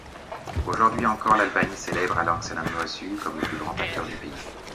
Aujourd'hui encore l'Albanie célèbre Aleksander Moisiu comme le plus grand acteur du pays.